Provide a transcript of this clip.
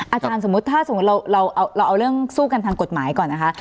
สมมุติถ้าสมมุติเราเอาเรื่องสู้กันทางกฎหมายก่อนนะคะ